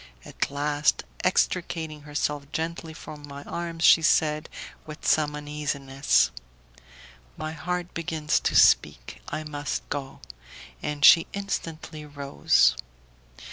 At last, extricating herself gently from my arms, she said, with some uneasiness, "My heart begins to speak, I must go;" and she instantly rose.